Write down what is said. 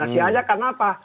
nah sialnya karena apa